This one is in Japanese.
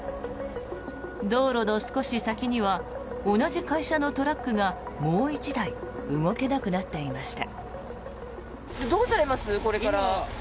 道路の少し先には同じ会社のトラックがもう１台動けなくなっていました。